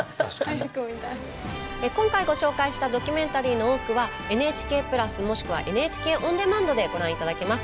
今回ご紹介したドキュメンタリーの多くはＮＨＫプラスもしくはＮＨＫオンデマンドでご覧いただけます。